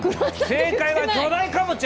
正解は巨大かぼちゃ！